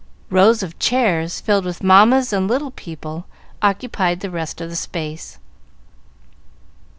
Rows of chairs, filled with mammas and little people, occupied the rest of the space.